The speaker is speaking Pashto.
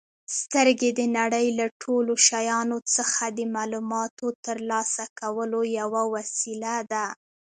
سترګې د نړۍ له ټولو شیانو څخه د معلوماتو ترلاسه کولو یوه وسیله ده.